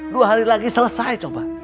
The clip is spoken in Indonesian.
dua hari lagi selesai